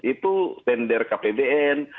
itu tender kpbn